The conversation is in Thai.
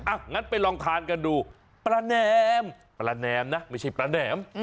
งั้นไปลองทานกันดูปลาแนมปลาแนมนะไม่ใช่ปลาแหนม